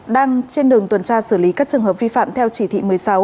đang trên đường tuần tra xử lý các trường hợp vi phạm theo chỉ thị một mươi sáu